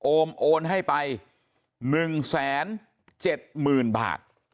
โอมโอนให้ไป๑แสน๗หมื่นบาท